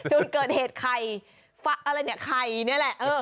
จุดเกิดเหตุไข่อะไรเนี่ยไข่นี่แหละ